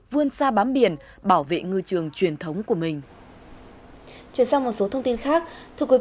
vươn xa bám biển bảo vệ ngư trường truyền thống của mình